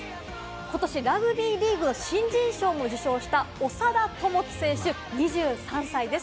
ことしラグビーリーグの新人賞も受賞した長田智希選手、２３歳です。